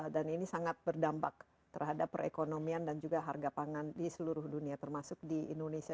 dan ini sangat berdampak terhadap perekonomian dan juga harga pangan di seluruh dunia termasuk di indonesia